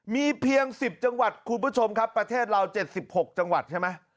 มีเพียง๑๐จังหวัดคุณผู้ชมครับประเทศเรา๗๖จังหวัดใช่ไหม